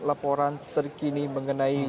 laporan terkini mengenai